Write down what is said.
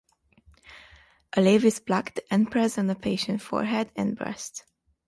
A leaf is plucked and pressed on the patient's forehead and breast.